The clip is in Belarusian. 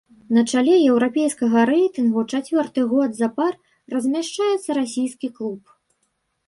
На чале еўрапейскага рэйтынгу чацвёрты год запар размяшчаецца расійскі клуб.